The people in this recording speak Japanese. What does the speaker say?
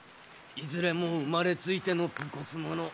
いずれも生まれついての武骨者。